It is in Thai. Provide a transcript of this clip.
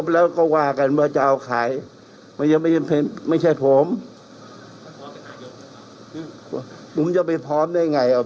ยังไม่คิดเลยนายกก็อยู่ต่ออีก๘ปี